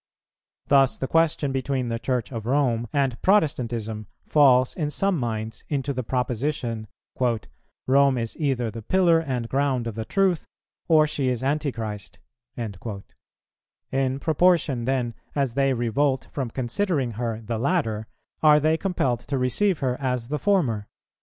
Thus the question between the Church of Rome and Protestantism falls in some minds into the proposition, "Rome is either the pillar and ground of the Truth, or she is Antichrist;" in proportion, then, as they revolt from considering her the latter are they compelled to receive her as the former.